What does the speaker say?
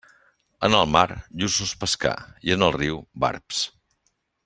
En el mar, lluços pescar; i en el riu, barbs.